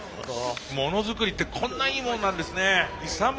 ものづくりってこんないいもんなんですね。